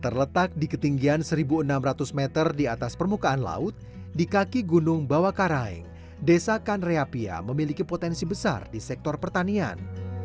terletak di ketinggian seribu enam ratus meter di atas permukaan laut di kaki gunung bawah karaeng desa kanreapia memiliki potensi besar di sektor pertanian